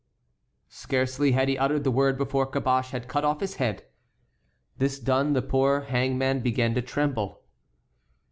Scarcely had he uttered the word before Caboche had cut off his head. This done, the poor hangman began to tremble.